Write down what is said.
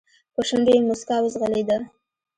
په شونډو يې موسکا وځغلېده.